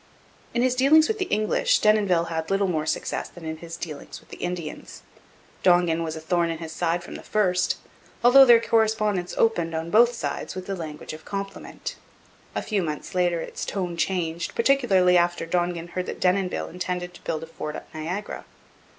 In his dealings with the English Denonville had little more success than in his dealings with the Indians. Dongan was a thorn in his side from the first, although their correspondence opened, on both sides, with the language of compliment. A few months later its tone changed, particularly after Dongan heard that Denonville intended to build a fort at Niagara.